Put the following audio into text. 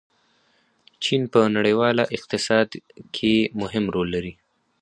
چین په نړیواله اقتصاد کې مهم رول لري.